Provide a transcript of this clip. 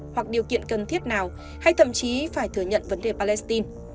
hoặc điều kiện cần thiết nào hay thậm chí phải thừa nhận vấn đề palestine